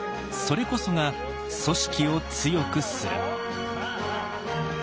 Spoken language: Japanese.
それこそが組織を強くする。